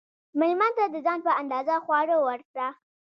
مېلمه ته د ځان په اندازه خواړه ورکړه.